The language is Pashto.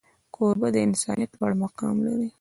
کوربه د انسانیت لوړ مقام لري.